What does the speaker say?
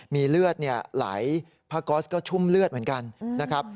มีเลือดไหลผ้าก๊อสก็ชุ่มเลือดเหมือนกันนะครับ